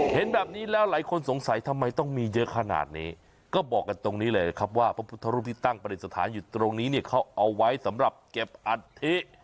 เห็นแบบนี้แล้วหลายคนสงสัยทำไมต้องมีเยอะขนาดนี้ก็บอกกันตรงนี้เลยนะครับว่าพระพุทธรูปที่ตั้งประดิษฐานอยู่ตรงนี้เนี่ยเขาเอาไว้สำหรับเก็บอัฐิ